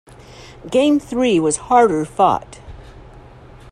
Game three was harder-fought.